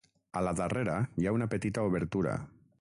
A la darrera hi ha una petita obertura.